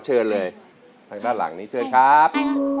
เชิญเลยทางด้านหลังนี้เชิญครับ